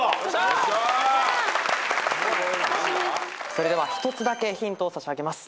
それでは一つだけヒントを差し上げます。